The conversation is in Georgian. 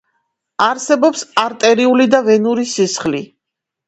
არსებობს არტერიული და ვენური სისხლი